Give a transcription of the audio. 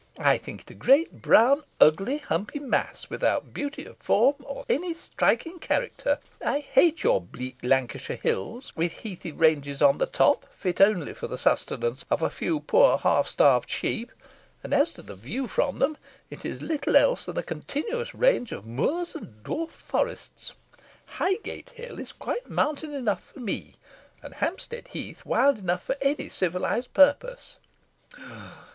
I think it a great, brown, ugly, lumpy mass, without beauty of form or any striking character. I hate your bleak Lancashire hills, with heathy ranges on the top, fit only for the sustenance of a few poor half starved sheep; and as to the view from them, it is little else than a continuous range of moors and dwarfed forests. Highgate Hill is quite mountain enough for me, and Hampstead Heath wild enough for any civilised purpose."